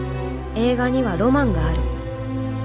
映画にはロマンがある。